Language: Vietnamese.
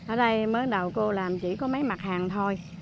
ở đây mới đầu cô làm chỉ có mấy mặt hàng thôi